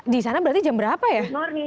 di sana berarti jam berapa ya